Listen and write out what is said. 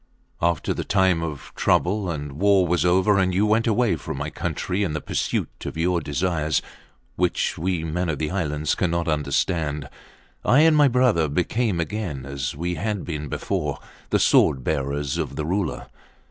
After the time of trouble and war was over and you went away from my country in the pursuit of your desires, which we, men of the islands, cannot understand, I and my brother became again, as we had been before, the sword bearers of the Ruler.